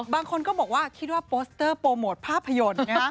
บางคนก็บอกว่าคิดว่าโปสเตอร์โปรโมทภาพยนตร์